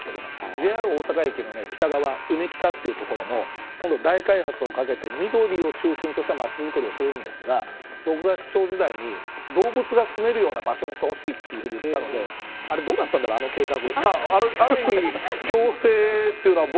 ＪＲ大阪駅の北側ウメキタという所も大開発をかけて緑を中心とした街作りをするんですが僕が市長時代に動物が住めるような場所にしてほしいといったのでどうなったんだろ、あの計画。